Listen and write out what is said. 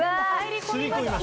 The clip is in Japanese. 擦り込みます。